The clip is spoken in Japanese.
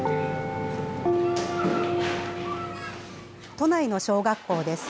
都内の小学校です。